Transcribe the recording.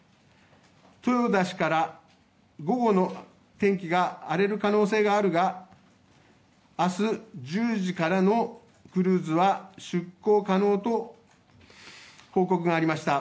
豊田氏から、午後の天気が荒れる可能性があるが明日１０時からのクルーズは出航可能と報告がありました。